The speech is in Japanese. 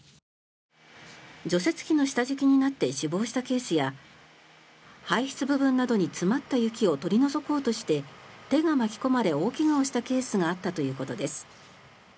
除雪機の下敷きになって死亡したケースや排出部分などに詰まった雪を取り除こうとして手が巻き込まれ大怪我をしたケースがあったということです。